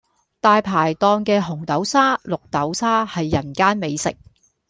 大排檔嘅紅豆沙、綠豆沙係人間美食